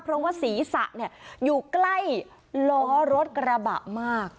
เพราะว่าศีรษะอยู่ใกล้ล้อรถกระบะมาก